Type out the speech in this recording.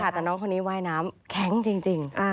แต่น้องคนนี้ว่ายน้ำแข็งจริง